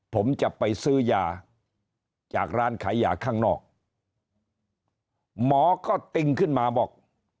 ผมจะไปซื้อยาจากร้านขายยาข้างนอกหมอก็ติงขึ้นมาบอก